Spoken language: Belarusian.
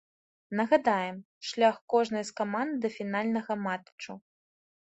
Нагадаем, шлях кожнай з каманд да фінальнага матчу.